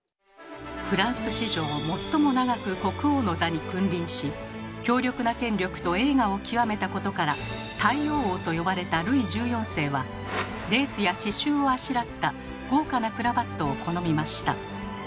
フランス史上最も長く国王の座に君臨し強力な権力と栄華を極めたことから「太陽王」と呼ばれたルイ１４世はレースや刺繍をあしらった豪華なクラヴァットを好みました。